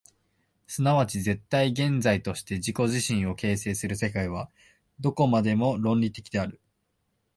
即ち絶対現在として自己自身を形成する世界は、どこまでも論理的である。